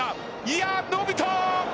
いや、伸びたー！